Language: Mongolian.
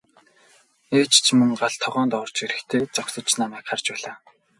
Ээж ч мөн гал тогоонд орж ирэхдээ зогсож намайг харж байлаа.